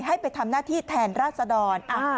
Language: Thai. ให้ไปทำหน้าที่แทนราชดร